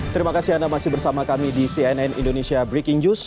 terima kasih anda masih bersama kami di cnn indonesia breaking news